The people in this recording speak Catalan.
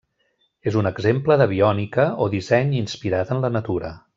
És un exemple de biònica o disseny inspirat en la natura.